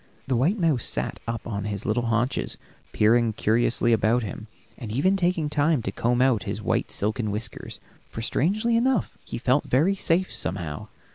The white mouse sat up on his little haunches, peering curiously about him, and even taking time to comb out his white silken whiskers, for strangely enough he felt very safe, somehow.